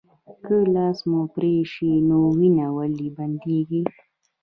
که لاس مو پرې شي نو وینه ولې بندیږي